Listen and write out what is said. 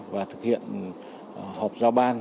và thực hiện họp giao ban